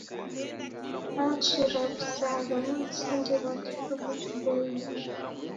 Hachi na w'usawa ni msingi ghwa kichuku chiboie.